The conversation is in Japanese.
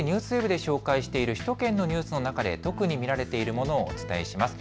ＮＨＫＮＥＷＳＷＥＢで紹介している首都圏のニュースの中で特に見られているものをお伝えします。